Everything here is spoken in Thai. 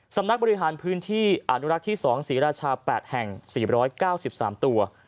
สำนักบริหารพื้นที่อนุรักษ์ที่๒ศรีราชา๘แห่ง๔๙๓ตัว